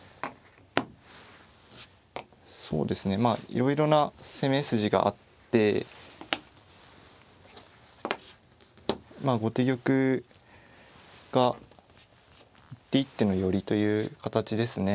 そうですねまあいろいろな攻め筋があってまあ後手玉が一手一手の寄りという形ですね。